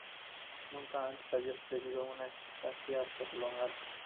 Nunca antes había sucedido una estancia prolongada.